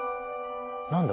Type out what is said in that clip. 何だ